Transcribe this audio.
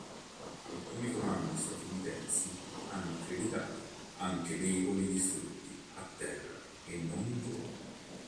Alcuni comandi statunitensi hanno accreditato anche velivoli distrutti a terra e non in volo.